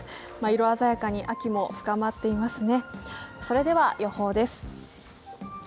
色鮮やかに秋も深まっていますね。